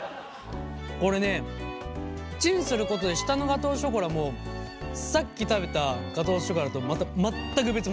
これねチンすることで下のガトーショコラもさっき食べたガトーショコラとまた全く別物。